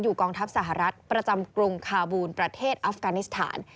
กองทัพสหรัฐประจำกรุงคาบูลประเทศอัฟกานิสถาน